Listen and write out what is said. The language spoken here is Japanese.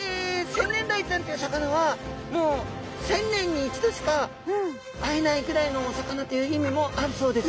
センネンダイちゃんという魚はもう１０００年に１度しか会えないぐらいのお魚という意味もあるそうです。